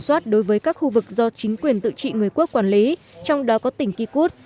soát đối với các khu vực do chính quyền tự trị người quốc quản lý trong đó có tỉnh kikud